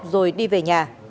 rồi đi về nhà